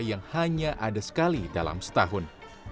yang hanya ada sekali dalam setahun